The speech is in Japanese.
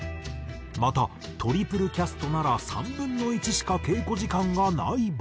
またトリプルキャストなら３分の１しか稽古時間がない場合も。